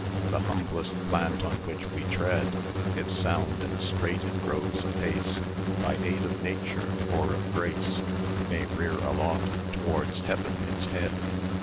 The humblest plant on which we tread, If sound and straight it grows apace, By aid of nature or of grace May rear aloft towards heaven its head.